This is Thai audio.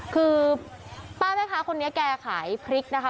คือป้าแม่ค้าคนนี้แกยังขายนะคะ